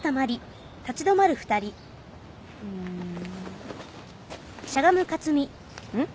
うん。